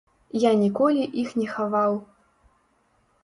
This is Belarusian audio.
Я ніколі іх не хаваў.